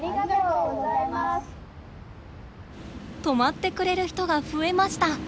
止まってくれる人が増えました。